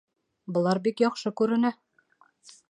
Былар бик яҡшы күренә